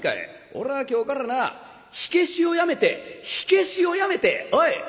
俺は今日からな火消しをやめて火消しをやめておい！